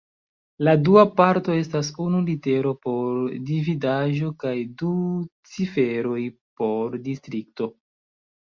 La dua parto estas unu litero por dividaĵo kaj du ciferoj por distrikto.